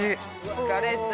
疲れちゃう。